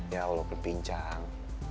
ya allah kepincang